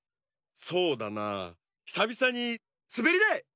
そうだなひさびさにすべりだい！